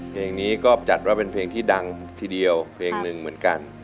เพลงนี้ก็จัดว่าเป็นเพลงที่ดังทีเดียวเพลงหนึ่งเหมือนกัน